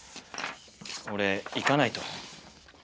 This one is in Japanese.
俺行かないと。